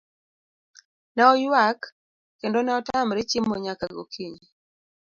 Ne oyuak kendo ne otamre chiemo nyaka gokinyi.